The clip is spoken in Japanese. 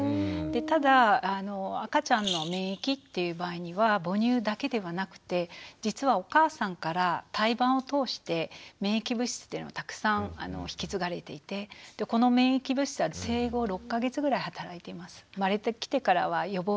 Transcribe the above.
ただ赤ちゃんの免疫っていう場合には母乳だけではなくて実はお母さんから胎盤を通して免疫物質っていうのはたくさん引き継がれていてこの免疫物質は生後６か月ぐらいはたらいています。